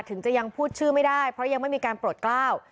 ถึงจะยังพูดชื่อไม่ได้เพราะยังไม่มีการโปรดกล้าว